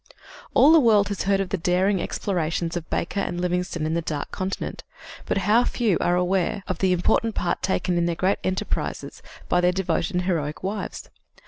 All the world has heard of the daring explorations of Baker and Livingstone in the Dark Continent, but how few are aware of the important part taken in their great enterprises by their devoted and heroic wives?